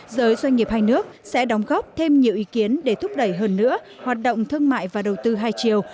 giới doanh nghiệp hai nước sẽ đóng góp thêm nhiều ý kiến để thúc đẩy hơn nữa hoạt động thương mại và đầu tư hai chiều